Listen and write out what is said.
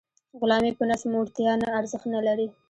غلامي په نس موړتیا نه ارزښت نلري.